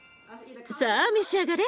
さあ召し上がれ。